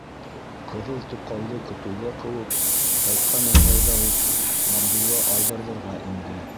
Ҡыҙыл туҡалды көтөүгә ҡыуып ҡайтҡан ыңғайҙа уҡ Ғабдулла Айҙарҙарға инде.